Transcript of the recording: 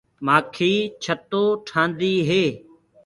مآکي ڇتو ٺهآندي هي۔